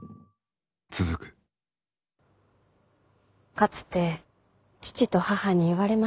かつて父と母に言われました。